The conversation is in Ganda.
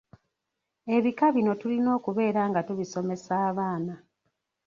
Ebika bino tulina okubeera nga tubisomesa abaana.